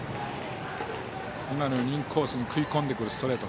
今のようにインコースに食い込んでくるストレート